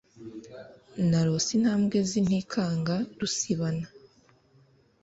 narose intambwe z'intikanga rusibana